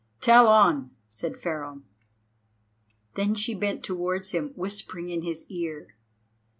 "Tell on," said Pharaoh. Then she bent towards him, whispering in his ear.